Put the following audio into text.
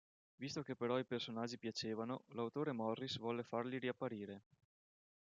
Visto che però i personaggi piacevano, l'autore Morris volle farli riapparire.